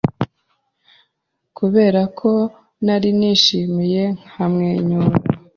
Kubera ko nari nishimye nkamwenyura